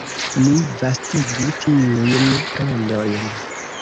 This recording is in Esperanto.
Ni vastigu tiujn rondojn.